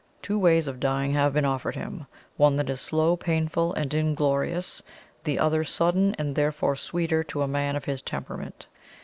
Two ways of dying have been offered him one that is slow, painful, and inglorious; the other sudden, and therefore sweeter to a man of his temperament.